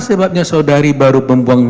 sebabnya saudari baru membuang